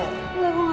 enggak enggak enggak